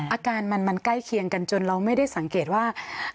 อาการมันใกล้เคียงกันจนเราไม่ได้สังเกตว่า